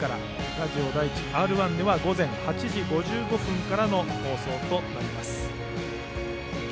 ラジオ第１、Ｒ１では午前８時５５分からの放送となります。